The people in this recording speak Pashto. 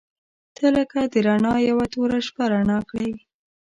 • ته لکه د رڼا یوه توره شپه رڼا کړې.